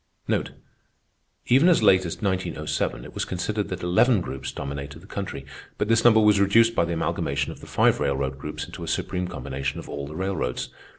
Even as late as 1907, it was considered that eleven groups dominated the country, but this number was reduced by the amalgamation of the five railroad groups into a supreme combination of all the railroads.